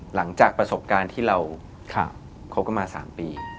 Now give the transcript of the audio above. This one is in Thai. หลังจากประสบการณ์ที่เราคบกันมา๓ปี